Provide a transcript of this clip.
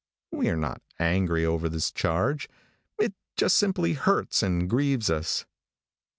We are not angry over this charge. It just simply hurts and grieves us.